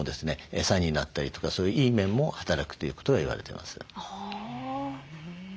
エサになったりとかいい面も働くということが言われてます。